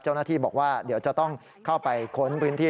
เจ้าหน้าที่บอกว่าเดี๋ยวจะต้องเข้าไปค้นพื้นที่